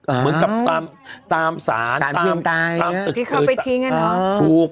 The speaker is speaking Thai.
อ่ะเหมือนกับตามตามศาลศาลเพียงตายตามที่เขาไปทิ้งอ่าถูก